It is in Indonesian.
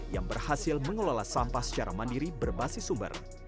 yang berhasil mengelola sampah secara mandiri berbasis sampah plastik